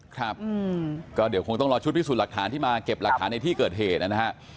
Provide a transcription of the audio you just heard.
ครับก็เดี๋ยวคงต้องรอชุดพิสูจน์หลักฐานที่มาเก็บหลักฐานในที่เกิดเหตุนะฮะ